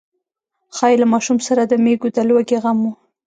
ښايي له ماشوم سره د مېږو د لوږې غم و.